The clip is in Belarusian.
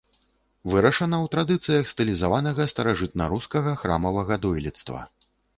Вырашана ў традыцыях стылізаванага старажытнарускага храмавага дойлідства.